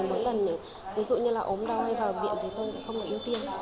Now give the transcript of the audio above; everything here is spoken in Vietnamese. mỗi lần ví dụ như là ốm đau hay vào viện thì tôi cũng không có ưu tiên